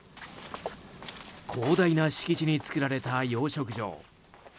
広大な敷地に作られた養殖場。